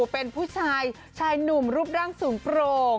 เป็นผู้ชายชายหนุ่มรูปร่างสูงโปร่ง